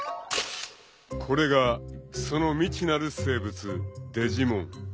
［これがその未知なる生物デジモン］